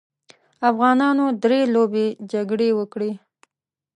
افغانانو درې لويې جګړې وکړې.